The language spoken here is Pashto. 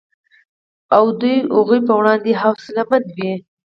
او د هغوی په وړاندې حوصله مند وي